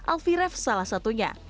alfie raff salah satunya